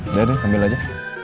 udah deh ambil aja